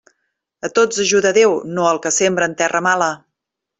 A tots ajuda Déu, no al que sembra en terra mala.